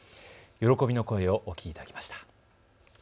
喜びの声をお聞きいただきました。